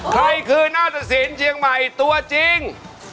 ใครคือนาตสินเชียงใหม่ตัวจริง